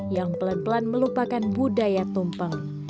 yang pelan pelan melupakan budaya tumpeng